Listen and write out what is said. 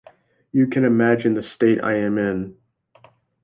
You can imagine the state I am in.